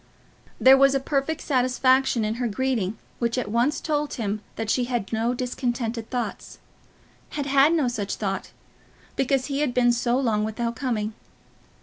There was a perfect satisfaction in her greeting which at once told him that she had no discontented thoughts, had had no such thought, because he had been so long without coming.